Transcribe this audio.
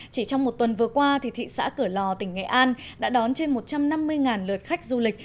chỉ trong một tuần vừa qua thị xã cửa lò tỉnh nghệ an đã đón trên một trăm năm mươi lượt khách du lịch